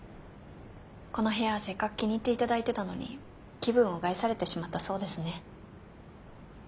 この部屋せっかく気に入っていただいてたのに気分を害されてしまったそうですね。